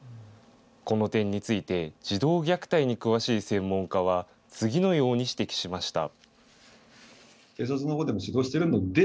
この点について児童虐待に詳しい専門家は次のように指摘しました。